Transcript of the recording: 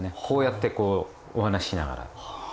こうやってこうお話ししながら。